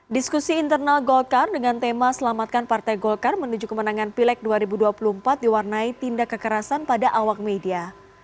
diskusi internal golkar dengan tema selamatkan partai golkar menuju kemenangan pileg dua ribu dua puluh empat diwarnai tindak kekerasan pada awak media